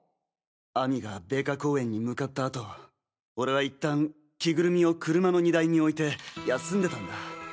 亜美が米花公園に向かったあと俺はいったん着ぐるみを車の荷台に置いて休んでたんだ。